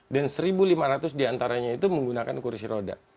dan seribu lima ratus diantaranya itu menggunakan kursi roda